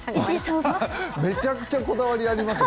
めちゃくちゃこだわりありますね。